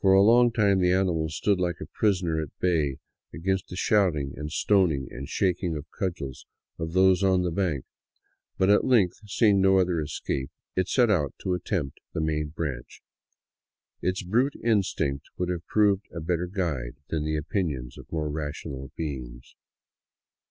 For a long time the animal stood like a prisoner at bay against the shout ing and stoning and shaking of cudgels of those on the bank, but at length, seeing no other escape, it set out to attempt the main branch. Its brute instinct would have proved a better guide than the opinions of more rational beings.